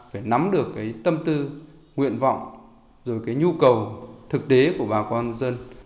phải nắm được cái tâm tư nguyện vọng rồi cái nhu cầu thực tế của bà con dân